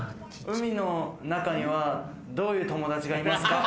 海の中にはどんな友達がいますか？